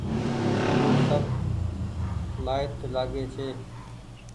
ايئي سب مآئيت لآگي ڇي۔